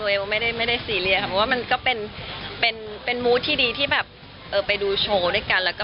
ว่ามันก็เป็นมูธที่ดีที่ไปดูโชว์ด้วยกัน